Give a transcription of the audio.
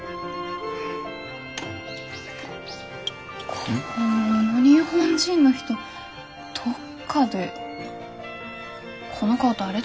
この日本人の人どっかでこの顔誰だっけ？